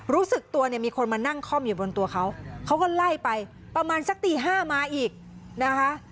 รู้สึกตัวเนี่ยมีคนมานั่งคล่อมอยู่บนตัวเขาเขาก็ไล่ไปประมาณสักตีห้ามาอีกนะคะ